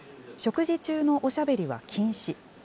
食事中のおしゃべりは禁止。